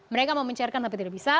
mereka mau mencairkan tapi tidak bisa